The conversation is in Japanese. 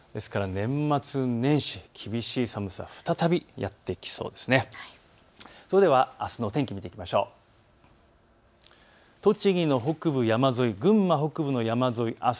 年末年始、厳しい寒さ、再びやって来そうです。